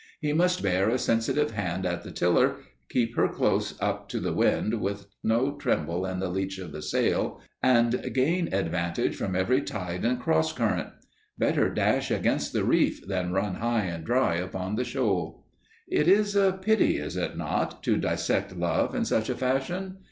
He must bear a sensitive hand at the tiller, keep her close up to the wind with no tremble in the leach of the sail, and gain advantage from every tide and cross current. Better dash against the reef than run high and dry upon the shoal! It is a pity, is it not, to dissect love in such a fashion?